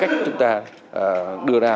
cách chúng ta đưa ra